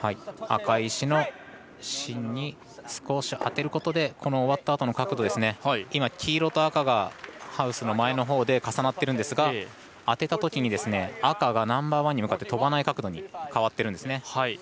赤い石の芯に少し当てることで終わったあとの角度、黄色と赤がハウスの前のほうで重なってるんですが当てたときに赤がナンバーワンに向かって飛ばない角度に変わってるんですね。